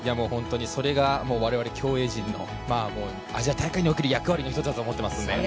それが、我々競泳陣のアジア大会における役割の一つだと思っています。